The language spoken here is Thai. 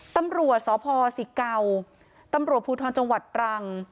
ตำรวจสพศิเกาตำรวจภูทรจังหวัดตรัง